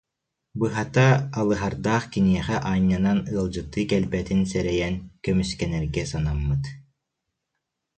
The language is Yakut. Быһата, Алыһардаах киниэхэ аанньанан ыалдьыттыы кэлбэтин сэрэйэн, көмүскэнэргэ санаммыт